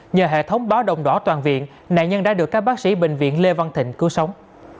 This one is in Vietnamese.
nhờ hệ thống báo động đỏ toàn viện nạn nhân đã được các bác sĩ bệnh viện lê văn thịnh cứu sống